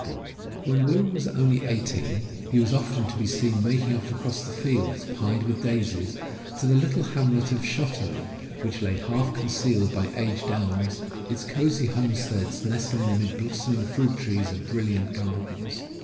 157 M Y BOOK HOUSE When Will was only eighteen, he was often to be seen making off across the fields, pied with daisies, to the little hamlet of Shot tery, which lay half concealed by aged elms, its cozy homesteads nestling amid blossoming fruit trees and brilliant gardens.